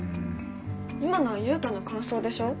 今のはユウタの感想でしょ。